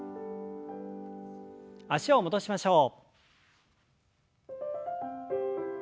脚を戻しましょう。